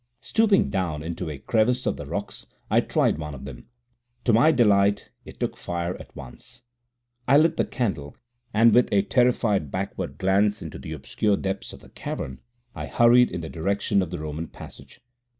Stooping down into a crevice of the rocks, I tried one of them. To my delight it took fire at once. I lit the candle, and, with a terrified backward glance into the obscure depths of the cavern, I hurried in the direction of the Roman passage.